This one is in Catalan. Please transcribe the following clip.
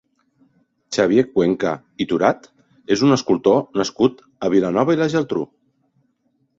Xavier Cuenca Iturat és un escultor nascut a Vilanova i la Geltrú.